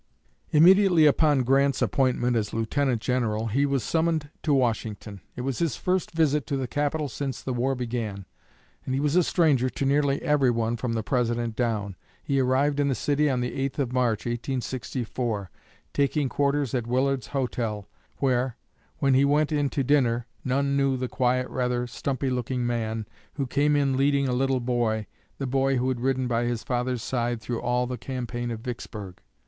Immediately upon Grant's appointment as Lieutenant General, he was summoned to Washington. It was his first visit to the capital since the war began, and he was a stranger to nearly everyone from the President down. He arrived in the city on the 8th of March (1864), taking quarters at Willard's Hotel, where, when he went in to dinner, none knew "the quiet, rather stumpy looking man, who came in leading a little boy the boy who had ridden by his father's side through all the campaign of Vicksburg."